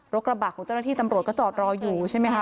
กระบะของเจ้าหน้าที่ตำรวจก็จอดรออยู่ใช่ไหมคะ